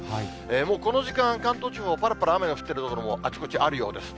もうこの時間、関東地方、ぱらぱら雨が降っている所もあちこちあるようです。